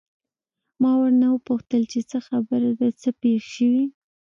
ما ورنه وپوښتل چې څه خبره ده، څه پېښ شوي؟